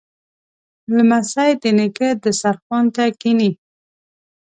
لمسی د نیکه دسترخوان ته کیني.